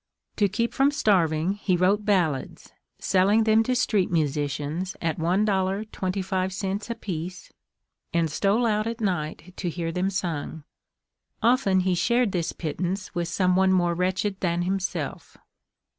To keep from starving he wrote ballads, selling them to street musicians at $1.25 apiece, and stole out at night to hear them sung. Often he shared this pittance with some one more wretched than himself.